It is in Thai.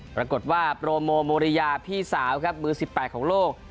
ปรากฏว่าโปรโมโมริยาพี่สาวครับมือ๑๘ของโลก